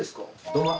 土間。